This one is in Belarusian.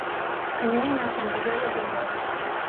Каня яны прывязалі да дрэва.